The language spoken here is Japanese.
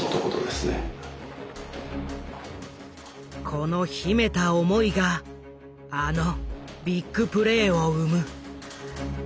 この秘めた思いがあのビッグプレーを生む。